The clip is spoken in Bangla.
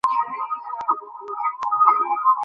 আপনারা রিকশা দিয়ে যাবেন?